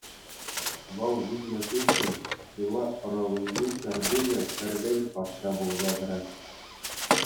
Вӑл вилнӑ хыҫҫӑн Тӳлӑ ӑрӑвӗнчи ҫарпуҫӗ Тервел патша пулса тӑрать.